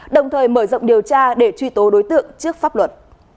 đồng thời mở rộng điều tra để truy tố đối tượng trước pháp luật